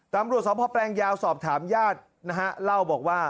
ตำรวจสมภาพแปลงยาวสอบถามญาตินะฮะเล่าบอกว่า